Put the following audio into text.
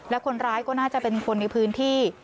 และคนร้ายก็น่าจะเป็นคนในพื้นที่